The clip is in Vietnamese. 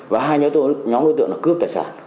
và hai nhóm đối tượng cướp tài sản